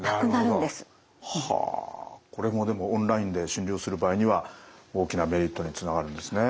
これもオンラインで診療する場合には大きなメリットにつながるんですね。